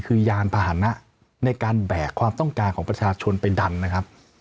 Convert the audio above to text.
คือยานพาหนะในการแบกความต้องการของประชาชนไปดันนะครับ